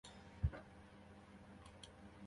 তিস্তা সেতুর যুদ্ধে গুরুত্বপূর্ণ ভূমিকা পালন করেন।